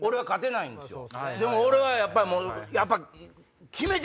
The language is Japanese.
でも俺はやっぱ決めて。